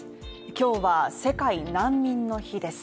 今日は世界難民の日です